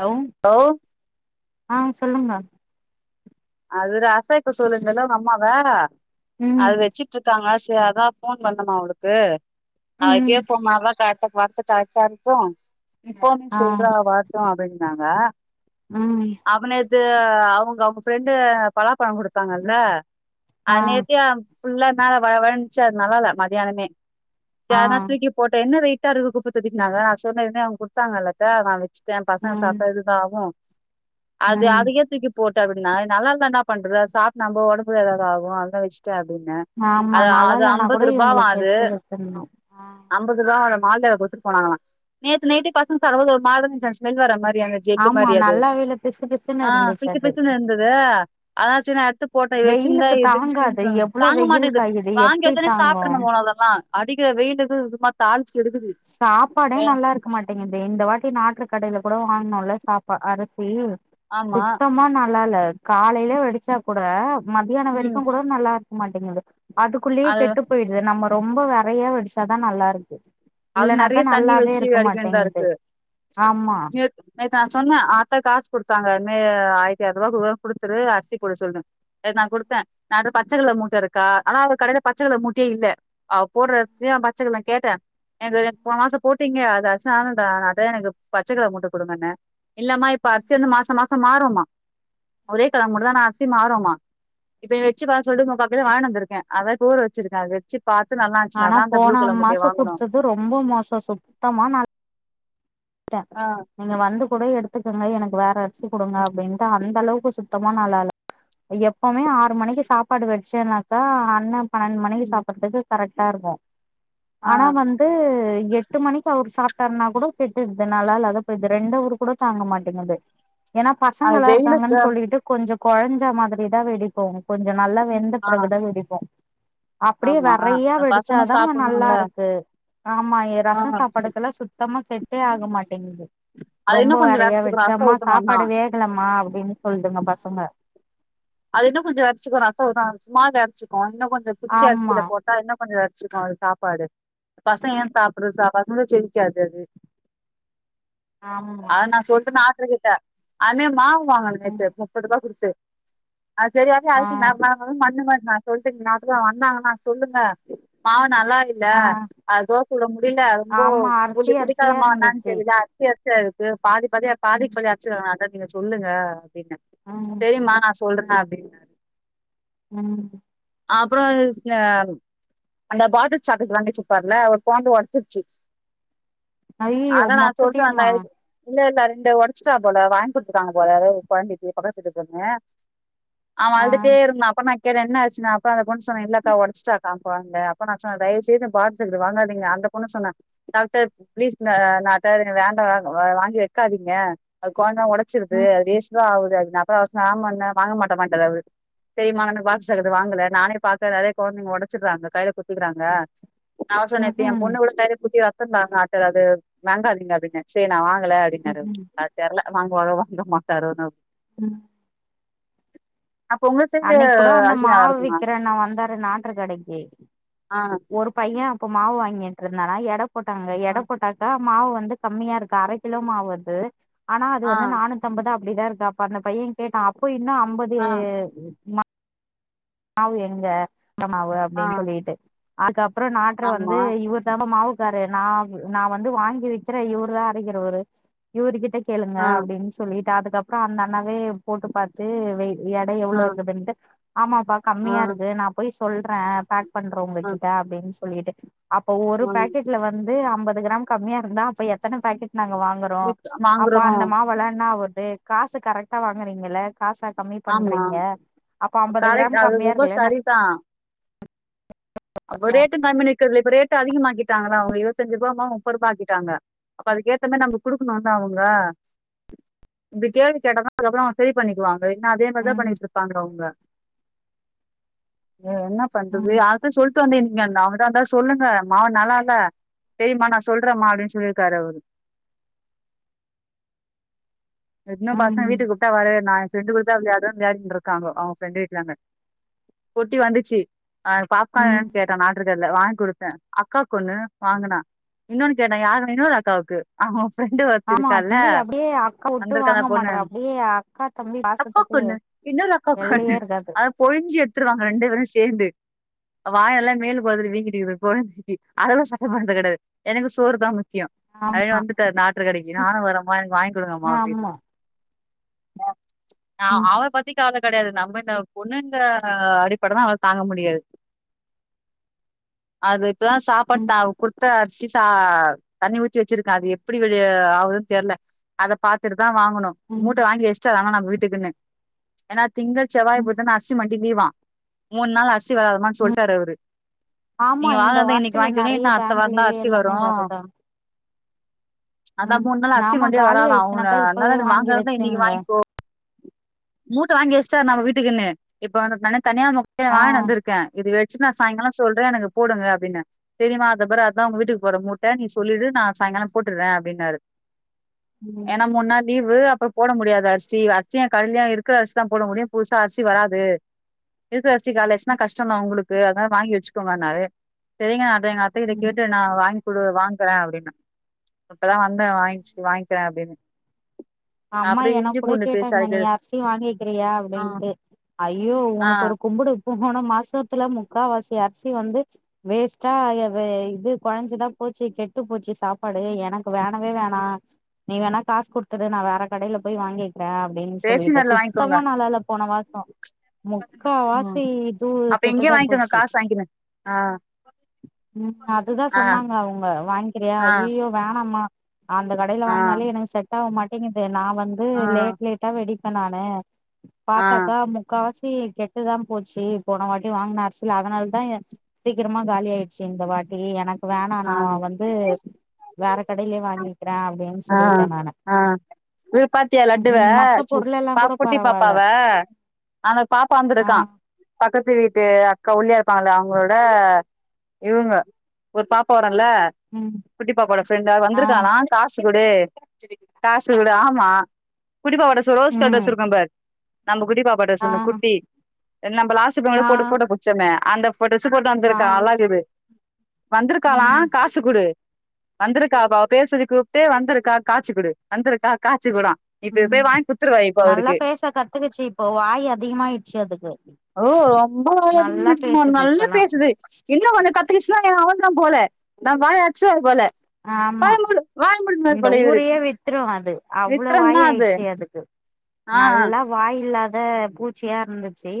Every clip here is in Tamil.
ஹலோ ஹான் ஸ் சொல்லுங்க அது ரா [unintelligible] சொல்லுங்க [unintelligible] அம்மாவ ம் அது வெச்சிட்டிருக்காங்க தே அதான் போன் பண்ணுமா அவளுக்கு ம் [unintelligible] [unintelligible] இப்போ நீ சொல்ற வாத்த அடங் நாங்க உம் து அவுங் அவுங்க ஃப்ரெண்டு பலாப்பழம் கொடுத்தாங்கல்ல ஆ நேத்தே அம் புல்லா மேல வழவழந்துச்சு அது நல்லால மதியானமே ஆ ஏன தூக்கி போட்டே என்னும் வை [unintelligible] குப்பத்தொட்டினினாக அத சொன்னவுன்ன அவுங்க கொடுத்தாங்கயில்ல கா ச்டென் பசங்க ம் சாப்டா ஏது தா ஆவும் அது ம் அதுக்கே தூக்கி போட் ந நல்லாருந்த என்ன பண்றது அது சாப்ட்டு நம்போ உடம்பு ஏதாவது ஆகும் அததுதான் வச்சு ட்டு அப்டின ஆமா நல்லா அது-அது இல்லன்னா கூட அம்பது ரூபாவா இவங்களுக்கு அது எடுத்து வச்சிர்ணு அம்பது [unintelligible] கால குத்துட்டு போனாங்கலாம் நேத்து நைட்டே பசங்க [unintelligible] ஆமா மாரி நல்லவேயில்ல பிசு பிசுன்னு இருந்துச்சு அது [unintelligible] இருந்தத அதனால செரி நா எத்து போட்டே இத வச்சிருந்த வெயிலுக்கு தாங்காது [unintelligible] எவ்ளோ தாங்க வெயில் மாட்டிது காயுது வாங்கி எப்டி வச்சவுனே தாங்கு சாப்ட்ரனும் போல அதெல்லாம் அடிக்கிற வெயிளுக்கு சும்மா தாழ் சாப்பாடே நல்லா இருக்க மாட்டேங்கிது இந்த வாட்டி [unintelligible] கூடோ ஆ நல்ல சாப்பா அரிசி ஆமா சுத்தமா நல்லால்ல காலையில வெடிச்சா கூட மத்தியானம் ம் வரிக்கும் கூட நல்லார் போமாட்டிங்குது அதுக்குள்ளேயே அது கெட்டு போயிடுது நம்ம ரொம்ப வரையா வடிச்சாதா நல்லா இருக்கு அது இல்லனாக்கா நெறைய தண்ணி நல்லாவே வச்சு இருக்க வடிக்க வேண்டியதா மாட்டேங்குது இருக்கு ஆமா நேத்து நேத்து நா சொன்னே அத்த காசு கொடுத்தாங்கன் ஆ ஆயரத்தி எரநூறு ரூவா [unintelligible] குடுத்துரு அரிசி போட சொல்றேன். நேத்து நா குடுத்தே நா இருன்ட்டு பச்ச கலர் மூட்டை இருக்கா ஆனா அவங்க கடைல பச்சகலர் மூட்டையே இல்ல அவ போட்ரது வச்சுதா பச்சக்கலர் கேட்டே எங்களுக் போன மாசோ போட்டீங்க அந்த அரிசி வேணா இந்த வாட்டோ எனக்கு பச்சக்கலர் மூட்ட குடுங்கன்னே இல்லம்மா இப்ப அரிசி வந்து மாசோ மாசோ மாறும்மா ஒரே கலர் மூட்டதா ஆனா அரிசி மாறும்மா இத வச்சு பாக்க சொல்ட்டு முக்கா கிலோ வாங்கினு வந்துருக்கே அதா இப்போ ஊற வச்சிருக்கே அத வச்சு பாத்து நல்லா இருந்துச்சுனாதா அந்த புளூ கலர் மூட்டைய வாங்கணு அது ரொம்ப மோசோ சுத்தமா நா ஆ [unintelligible] நீங்க வந்து கூட எடுத் த்துக்குங்க எனக்கு வேற அரிசி குடுங்க அப்டின்ட்டு அந்த அளவுக்கு சுத்தமா நல்லால்ல எப்பமே ஆறு மணிக்கு சாப்பாடு வச்சேனாக்கா அண்ண பன்னெண்ட் மணிக்கி ம் சாப்டுறது கரட் பாருங்க ஆ ஆனா வந்து எட்டு மணிக்கு அவர் சாப்ட்டாருனா கூட கெட்டுறதுனால [unintelligible] இது ரெண்டு அவர் கூட தாங்க மாட்டேங்குது ஏன்னா அது பசங்கள்லா இருக்காங்கன்னு வெயிலுக்கு சொல்லிட்டு கொஞ்ச கொழஞ்ச மாதிரிதா வடிப்போ கொஞ்ச நல்லா வெந்த ஆ பிறகுதா வடிப்போ அப்டியே ஆமா வெரையா பசங்க வடிச்சாதா நல்லா சாப்புட்ணுல்ல இருக்கு ஆமா ஆ ரச சாப்பாடுக்கெல்லா சுத்தமா செட் ட்டே ஆகமாட் [unintelligible] அது இன்னு ரொம்ப கொஞ்சோ வெரையா வெரச்சுக்கணு வடிச்சா ரசோ அம்மா ஊத்தணுன்னா சாப்பாடு வேகலமா அப்டின்னு சொல்துங்க பசங்க அது இன்னும் கொஞ்ச வெரச்சிக்கு ரசோ ஊத்த ஆரம்பிச்சம்னா வெரச்சுக்கு இன்னு கொஞ்ச புத்சு ஆமா அரிசில போட்டா இன்னு கொஞ்ச அரைச்சிருக்க [unintelligible] சாப்பாடு பசங்க ஏன் சாப்பிடுறது ச பசங்க செரிக்காது அது ஆமா அது நா சொல்ட்ட [unintelligible] [unintelligible] அதுலயே மாவு வாங்கன நேத்து முப்பது ரூபா குடுத்து அது சரியாவே ஆ அரக்கில [unintelligible] மண்ணு மாரி நா சொல்ட்டே இந்நேரத்துக்கு அவங்க வந்தாங்கனா சொல்லுங்க [unintelligible] நல்லா இல்ல ஆ அ தோச சுட முடியல ரொம்போ ஆமா அரிசி புளி புளிக்காத அரிசியா [unintelligible] இருந்துச்சு தெரில அரிசி அரிசி எதுக்கு பாதி பாதியா ம் பாதிக்கு பாதி [unintelligible] நானு [unintelligible] சொல்லுங்க அப்டின்னா ம் பெரிம்மா நா சொல்றே அப்டின்னாரு ம் அப்புறோ அந்த பாட்டில் சாக்லேட் வாங்கி வெச்சியிருப்பாருல ஒரு கொழந்த ஒட்சிச்சி அய்யையோ மொத்ததியோமா இல்ல-இல்ல ரெண்டு உடைச்சுட்டா போல வாங்கி குடுத்துடாங்க போல கொழந்தைக்கு பக்கத்து வீட்டு பொண்ணு அவ ஆ அழுதுட்டே இருந்தா அப்ப நா அப்புறோ என்ன ஆச்சுன்னா அப்புறோ அந்த பொண்ணு சொன்னா இல்லக்கா உடைச்சுட்டாக்கா கொழந்த அப்புறோ நா சொன்ன தயவு செய்து பாட்டில்ல இருக்குறத வாங்கதீங்க அந்த பொண்ணு சொன்னா டாக்டர் பிளீஸ் டாக்டர் வேண்டா இத வாங்கி வெக்காதீங்க கொழந்த ஒடச்சுடுது ம் அது வேஸ்ட்தா ஆவுது அது ஒஸ்லாம்மன்ன வாங்க மாட்டமாட்டாரு அவரு செரிமா நா பாக்ஸ் சாக்லேட் வாங்கல நானே பார்த்தே நெறைய கொழந்தைங்க ஒடச்சிடுறாங்க கையில குத்திக்கிறாங்க ஹவுஸ்வோணர்ட என் ம்ஹூம் பொண்ண கூட [unintelligible] [unintelligible] டாக்டர் அது வாங்காதீங்க அப்டின்ன செரினா வா ங்கள அப்டினாரு ம்ஹூம் அது தெர்ல வாங்குவாரு வாங்க மாட்டாரு அவரு ம் அப்ப உங்க சைடு அன்னிக்கூட அந்த அரிசி நல்லா இருக்குமா மாவுவிக்கிறண்ணா வந்தாரு நாற்று கடைக்கு ஆ ஒரு பையன் அப்போ மாவு வாங்கிட் நின்றுந்தனா யாரோ போட்டாங்க ஆ எட போட்டாக்கா மாவு வந்து கம்மியாயிருக்கு அர கிலோ மாவது ஆனா அது ஆ வந்து நானூத்தம்பது அப்டிதா இருக் பண்ண பையன் கேட்டா அப்போ இன்னு அம்பது ஆ ம மாவு எங்க உளுந்தமாவு ஆ அப்டின்னு சொல்லிட்டு ஆக அப்புறோ நாற்று வந்து ஆமா இவர் தாமா மாவு இருக்காரு நா நா வந்து வாங்கி விக்குறே இவருதா அரைக்கிறவரு இவரு கிட்ட கேளுங்க ஆ அப்டின் சொல்லிட் அதுக்கப்புறோ அந்த அண்ணாவே போட்டு பார்த்து வெய் [unintelligible] எட ஆ எவ்ளோ இருக்குதுண்டு ஆமா பா ஆ கம்மியாயிருக்கு நா போய் சொல்றேன் [unintelligible] பண்றோவொங்க ஆ ஆ கிட்ட அப்டின்னு ஸ் சொல்லிட்டு அப்போ ஒரு பேக்கெட்ல வந்து து அம்பது கிராம் கம்மியா இருந்தா அப்ப எத்தன பாக்கெட் நாங்க வாங்குறோ அப்போ வாங்குறோ அந்த மாவளனா என்ன ஆவர்த் [unintelligible] காசு கரெக்டா வாங்குறீங்கல காசா கம்மி ஆமா பண்றீங்க அப்ப அம்பது கரெக்ட் கிராம் அது கம்மியா ரொம்ப இருக்குல்ல நா சரிதா [unintelligible] ட்ட அதிகமாக்கிட்டாங்களா அவங்க இருபத்தஞ்சு ரூப முப்பது ரூபாய் ஆகிட்டாங்க அப்ப அதுக்கேத்த மாதிரி நம்ம குடுணும்ல அவங்க. இப்படி கேள்வி கேட்டா அதுக்கப்புறம் சரி பண்ணிக்குவாங்க து இல்னா அதே மாதிரிதா ம் பண்ணிட்ருப்பாங்க அவங்க ஏ என்ன பண்றது ம் [inaudible] [inaudible] அவங்கதான் இருந்தாவும் சொல்லுங்க மான் நல்லா இல்ல தெரியமா நான் சொல்றேன்மா அப்படின்னு சொல்லியிருக்காரு அவரு இன்னும் பசங்க ம் வீட்டுக்கு கூப்பிட்டா [unintelligible] ரெண்டு [inaudible] இருக்காங்க அவங்க ரெண்டு வீட்டான்ட பொட்டி வந்துச்சி ஆ பாப் ம் [inaudible] கேட்டன் நாற்று ல்லல்ல வாங்கி குடுத்தே அக்காக்கு ஒண்ணு வாங்குனா இன்னொன்னு கேட்டன் யாரு இன்னொரு அக்காக்கு ஆம் ஃப்ரெண்ட்டு ஆமா வந்துருக்கால. தம்பி அப்டியே அக்கா வுட்டு வந்து இருக்க அந்த வாங்க பொண்ண மாட்றா அப்டியே அக்கா தம்பி பாசத்துக்கு அக்காக்கொண்ணு இன்னொரு எல்லையே அக்காக்கொண்ணு இருக்காது அத கொழிஞ்சி எடுத்துருவாங்க ரெண்டு பேரு சேர்ந்து வாயெல்லாம் மேல் ஒதடு வீங்கிட்டுருக்கு குழந்தைகி அதெல்லாம் சட்ட பண்றது கிடையாது எனக்கு சோறு தான் முக் ஆம் முக்கியு [unintelligible] நாற்று கடைக்கி நானும் வரம்மா எனக்கு வாங்க் குடுங்கம்மா அப்படினு ஆமா நா ம் அவன பத்தி கவல கெடையாது நம்ம இந்த பொண்ணுங்க அடிபட தான் அவள தாங்க முடியாது அது இப்போ தா சாப்பாடு ம் தான் அவ குடுத்த அர் சிசா தண்ணி ஊத்தி வச்சிருக்க அது எப்டி ஆவுதுனு தெர்ல அத பாத்துட்டு தான் வாங்கணு ம் மூட்ட வாங்கி் வெஸ்டா [unintelligible] வீட்டுக்குன்னு ஏன்னா திங்கள் செவ்வாய் ம் புதன் அர்சி மண்டி லீவா மூண் நாள் அர்சி வர ம் சொல்டாரு அவரு ஆமா நீங்க இந்த வாங்கறதா இன்னைக்கு வாரத்துல வாங்கிகோக நெறைய இல்லன அத்த பேங்க் வாரோம்தா லீவு அர்சி எல்லாமே வரும் வருதா அதான் ம் மூணு நாள் அர்சி ஆமா வண்டியே காலி வராதா‌ அவனு ஆயிடுச்சுனாக்கா இப்பவே அதனால வாங்கி வாங்குறது இன்னிக்கி வச்சுங்க வாய்க்கோ மூட்ட வாங்கி வெஷ்டா நம்ம வீட்டுக்குன்னு இப்ப அந்த கணப் தனியா முட்டையும் ஆ வாய்னு வந்துருக்கேன் இது வே [unintelligible] நா சாய்ங்காலம் சொல்றேன் எனக்கு போடுங்க அப்டின்னு தெரியுமா அதோ பாரு அதா உங்க வீட்டுக்கு போற மூட்ட நீ சொல்லிடு நான் சாய்ங்காலம் போட்டுறே அப்டினாரு ஏன்னா ம் மூன்னால் லீவு அப்போ போட முடியாது அரிசி [unintelligible] கல்யா இருக்குற அரிசி தா போட முடியும் புதுசா அரிசி வராது [unintelligible] அரிசி காலியாச்சுன்னா கஷ்டோதா அவுங்ளுக் கு அதனால வாங்கி வெச்சுக்கோங்கனாரு செரிங்க இப்ப எங்க அத்த கிட்ட ம் கேட்டு நா வாங் குடு வாங்குறே அப்டின்னே இப்பதா வந்தே வாங்கிச்சு வாங்கிக்கிறே அப்டின்னு அம்மா அப்றோ எனக் இஞ்சி கூட பூண்டு பேஸ்ட் கேட்டாங்க நீ அரைக்கிறது அர் சி வாங்கிக்கிறியா ஆ அப்டிண்டு ஐயோ ஆ உனக்கொரு கும்புடு போன மாசத்துல முக்காவாசி அரிசி வந்து வேஸ்டா இது குழஞ்சுதா போச்சு கெட்டு போச்சு சாப்பாடு எனக்கு வேணவே வேணா நீ வேணா காசு குடுத்துடு நான் வே கடையில போய் வாங்கி ரா அப்டின் ரேஷன் சொல்லிட்டு கடைல வாங்கிக்கோங்க சுத்தமா நல்லால்ல போன மாசோ முக்கா ம் வாசி இதுவு அப்ப இங்கயே கெட்டுதா வாங்கிக்கோங்க போச்சு காசு வாங்கிக்கினு ஆ ம் அதுதா ஆ சொன்னாங்க அவங்க வாங்கிக்கிறியா ஆ அய்யயோ வேணாமா அந்த கடையில ஆ வாங்குனாலே எனக்கு செட் போமாட்டிங்குது அது நா வந்து ஆ லேட் லேட்டா வெடிப் [unintelligible] இப்ப நானு ஆ ஆ பாப்பாக்கா முக்காவாசி வாசி கெட்டுதா போச்சு போன வாட்டி வாங்குன அரிசில அதனால தா சீக்கிரமா காலி ஆயிடுச்சு இந்த வாட்டி எனக் வேணா நா வந்து வேற கடைலியே வாங்கி ரா அப்டின்னு சொல்லிட்டே நானு ஏ பாத்தியா லட்டுவ ம் மத்த பொருள் எல்லா பா கூட குட்டி பரவால்ல பாப்பாவ அவன் பாப்பா ஆ வந்துருக்கான் பக்கத்து வீட்டு அக்கா ஒல்லியா இருப்பாங்கள அவங்களோட இவங்க ஒரு பாப்பா ம் [unintelligible] குட்டி பாப்பாவோட பிரெண்ட் ஆ வந்திருக்காளா காசு குடு காசு குடு ஆமா குட்டிபாப்பாவோட டிரஸ் ரோஸ் கலர் டிரஸ் ம் இருக்கோ பாரு நம்ம குட்டி பாப்பாவோட டிரஸ் ஆ ஒன்னு குட்டி நம்ம லாஸ்ட் ஆ [unintelligible] போட்டோ புடிச்சோமே அந்த இப்போ ஒரு டிரஸ் போட்டு ஆ வந்திருக்கா நல்லாகுது வந்திருக்காளா ம் காசு குடு வந்திருக்கா அவ அவ பேர் சொல்லி கூப் தே வந்திருக்கா காச்சு குடு வந்திருக்கா காச்சு குடா இப்ப போய் ம் வாங்கி குத்துருவா இப்போ நல்லா அவருக்கு பேச கத்துக்குச்சு இப்போ வாய் அதிகமாயிடுச்சு அதுக்கு ஓ ரொம்போ வாயு நல்லா அதிகமாகுதுமா பேசுது நல்லா இப்பல்லா பேசுது இன்னோ கொஞ்சோ கத்துக்குச்சுன்னா என்ன அவ [unintelligible] [unintelligible] போல நம்ப வாய் அடச்சுடுவாரு போல ஆமா வாய மூடு வாய மூடுன்னுவாரு இந்த போல இவரு ஊரையே வித்துரு அது அவ்ளோ விக்ரம் வாய் தா அது ஆயிட்ச்சு அதுக்கு ஆ நல்லா வாய் இல்லாத பூச்சியா இருந்துச்சு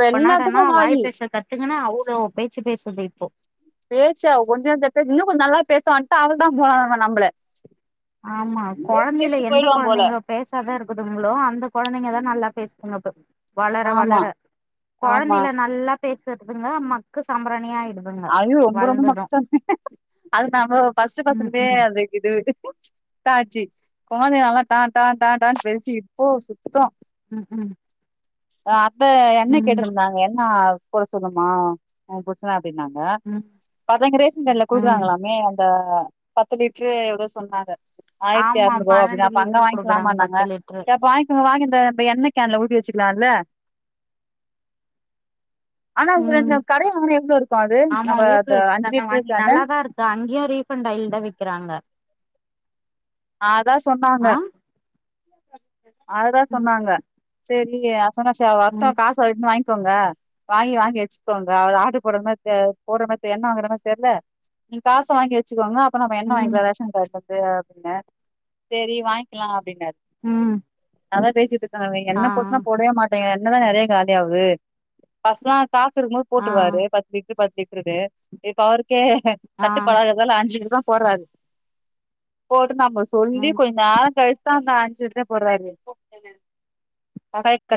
இப்ப என்னாடானா எல்லாத்துக்கு வாயி வாய் பேச கத்து ஆனா அவ்ளோ பேச்சு பேசுது இப்போ பேச்சா கொஞ்ச நஞ்ச பேச்சா இன்னு கொஞ்சோ நல்லா பேசுவாண்ட்டு அவதா [unintelligible] நம்பள ஆமா கொழந்தையில பேசிட்டு எந்த போயிடுவா போல கொழந்தைங்க பேசாதா இருக்குதுங்களோ அந்த கொழந்தைங்கதா நல்லா பேசினது ஆமா வளர-வளர ஆமா கொழந்தையில நல்லா பேசுறதுங்க மக்கு சாம்பிராணி ஆயிடுது ஐயோ ரொம்ப-ரொம்ப மோசோங்க அது நம்போ ஃபர்ஸ்ட் ம் பசங்களே ம் அதுக்கு இதுவு [unintelligible] ஆச்சு கொழந்தைக நல்லா டான்-டான் டான்னு பேசி இப்போ சுத்தோ ம் ம் ஆ இப்ப எண்ணை ம் கேட்ருந்தாங்க என்ன போட சொல்லுமா உன் புருஷன அப்டினாங் ஆ ம் அதா அங்க ரேஷன் கடைல ம் குடுக்குறாங்களாமே அந்த பத்து லிட்ரு எவ்ளோ சொன்னாங்க ஆயிரத்தி ஆமா அறுநூறு ரூபா அப்டினா பன்னெண்டு அப்ப அங்க லிட்டரு குடுக்குறாங்க வாங்கிக்கலாமானாங்க பத்து லிட்டரு சேரி அப்போ வாங்கிக்வோ வாங்கி இந்த அந்த எண்ணைக்கி கேன்ல ஊத்தி வெச்சுக்கலால்ல ஆனா இத ம் இந்த கடைல வாங்குனா எவ்ளோ இருக் ஆமா ஊத்தி வெச்சிருந்தாங்க வாங்கி நல்லாதா இருக்கு அங்கயு ரீஃபண்ட் ஆயில்தா விக்கிறாங்க அதா சொன்னாங்க ஆ [inaudible] அததா ம் சொன்னாங்க சேர் இல்லியே சொன்னா சேரி வரட்டா ம் காசு அவருகிட்ட இருந்து வாங்கி க்கோங்க வாங்கி-வாங்கி வெச்சுக்கோங்க அவரு ஆர்டர் போடுற மாரி தே போடுற மாரி தெர்ல என்னோ ஆகுதுனு தெர்ல நீங்க காச வாங்கி வெச்சுக்கோங்க அப்றோ நம்ம எண்ணை ம் வாங்கிக்லா ரேஷன் [unintelligible] து அப்டினே. செரி வாங்கிக்கலா அப்டினாரு ம் அதா பேசிட்ருக் ஆ எண்ணை பூசுனா போடவே மாட்டேங்க இங்கதா நெறைய காலி ஆவுது ஃபஸ்ட்லா ஸ்டாக் இருக்கும்போது ஆ போட்ருவாரு பத்து லிட்ரு-பத்து லிட் ருக்கு இப்ப அவருக் க்கே ஆ [unintelligible] ஆஞ்சிருக்கோ போட்றாரு போட்டு நம்ம சொல்லி ம் கொஞ் நேர கழிச்சிதா அந்த [unintelligible] சில்ரயா போட்றாரு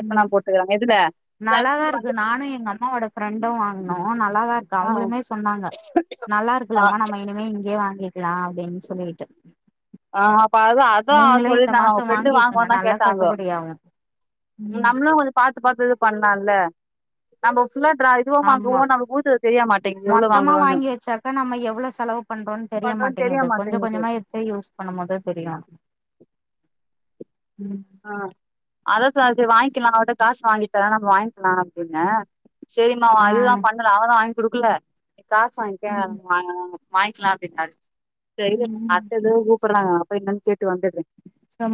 ம் நல்லாதா இருக்கு நானும் எங்க அம்மாவோட ஃப்ரெண்டும் வாங்னோ நல்லாதா இருக்கு ஆ அவுங்களுமே சொன்னாங்க நல்லா ஆ இருக்குல்லம்மா நம்ம இனிமே இங்கயே வாங் கேக்கலா அப்டின்னு சொல்லிட்டு ஆ [unintelligible] அதான் நீங்களு இந்த சொல்லிருந்தாங்க மாசோ அவங்க ஃப்ரெண்டு வாங்குவோ வாங்கிக்கங்க தான் நல்லா கேட்டாங்க கட்டுப்படியாகு ம் நம்மளு கொஞ்ச பாத்து பாத்து இது பண்ணலாம்ல [unintelligible] இதுவா ஆமா வாங்குவோ நமக்கு ஊத்துறது தெரிய மாட்டேங்குது எவ்ளோ மொத்தமா வாங்குறோன்னு வாங்கி வச்சாக்க நம்ம எவ்ளோ செலவு பண்றோம்னு பண்றோன்னு தெரிய தெரியமாட்டேங்குது கொஞ்சம் மாட்டேங்குது கொஞ்சமா எத்து யூஸ் பண்ணுமோது தெரியும் உம் ஆ அதா [unintelligible] வாங்கிக்லா நா அவர்ட்ட காசு வாங்கித்தரே நம்ம வாங்கிக்லா அப்டின்னே செரிமா ஆ அதுதான் பண்ணல அவதான் வா குடுக்கல காசு வாங்க்க ம் வேணா வேணா வாய்ங்கலாம் அப்டின்னாரு [unintelligible] சொல்றாங்க நா போய் என்னன்னு கேட்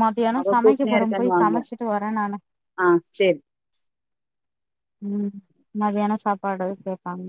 மத்தியானம் சமை [unintelligible] போய் இருக்கேன்னுவாங்க சமைச்சுட்டு வரேன் நானு ஆ சேரி உம் மத்தியான சாப்பாடு கேப்பாங்